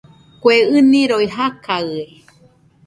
Kue ɨniroi jakaɨe